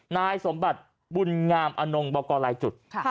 นายสมบัติบุญงามอนงบอกกรลายจุด